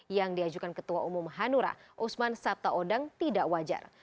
yang diajukan ketua umum hanura usman sabtaodang tidak wajar